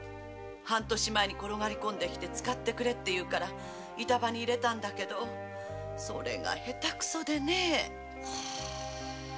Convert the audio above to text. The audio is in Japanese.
半年前に転がり込んで来て使ってくれというから板場に入れたんだけど下手くそでね。